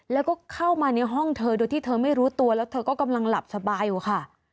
แล้วก็เข้ามาในห้องเธอโดยที่เธอไม่รู้ตัวแล้วเธอก็กำลังหลับสบายอยู่ค่ะ